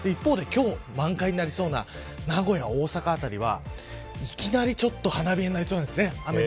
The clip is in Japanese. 一方、今日満開になりそうな名古屋大阪辺りはいきなりちょっと花冷えになりそうです。